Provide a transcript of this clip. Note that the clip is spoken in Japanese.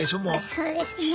そうですね。